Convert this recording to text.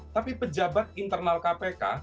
tapi pejabat internal kpk